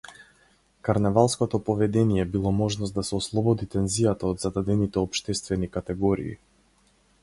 Карневалското поведение било можност да се ослободи тензијата од зададените општествени категории.